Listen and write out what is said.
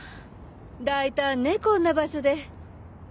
大胆ねこんな場所で。